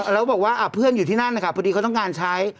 แล้วบอกว่าเพื่อนอยู่ที่นั่นนะคะพอดีเขาต้องการใช้